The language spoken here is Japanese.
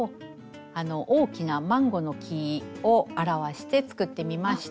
あの大きなマンゴーの木を表して作ってみました。